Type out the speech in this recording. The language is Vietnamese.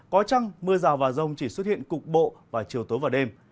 có chăng mưa rào và rông chỉ xuất hiện cục bộ và chiều tối và đêm